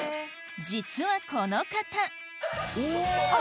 実はこの方おぉ！